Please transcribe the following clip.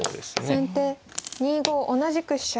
先手２五同じく飛車。